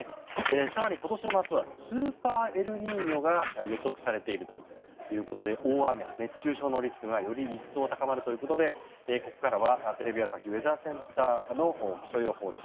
更に今年の夏はスーパーエルニーニョが予測されているということで大雨、熱中症のリスクがより一層高まるということでここからはテレビ朝日ウェザーセンターの気象予報士